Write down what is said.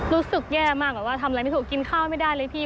รู้สึกแย่มากแบบว่าทำอะไรไม่ถูกกินข้าวไม่ได้เลยพี่